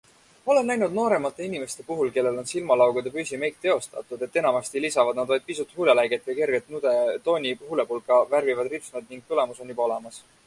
Olen näinud nooremate inimeste puhul, kellel on silmalaugude püsimeik teostatud, et enamasti lisavad nad vaid pisut huuleläiget või kerget nude tooni huulepulka, värvivad ripsmed ning tulemus on juba olemas.